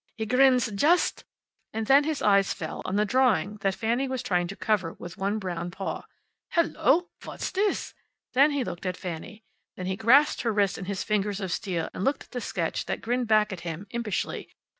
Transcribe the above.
He grins just " And then his eye fell on the drawing that Fanny was trying to cover with one brown paw. "Hello! What's this?" Then he looked at Fanny. Then he grasped her wrist in his fingers of steel and looked at the sketch that grinned back at him impishly.